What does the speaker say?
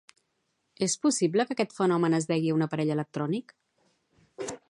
És possible que aquest fenomen es degui a un aparell electrònic?